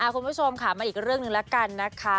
คุณผู้ชมค่ะมาอีกเรื่องหนึ่งแล้วกันนะคะ